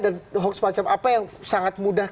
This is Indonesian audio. dan hoax macam apa yang sangat mudah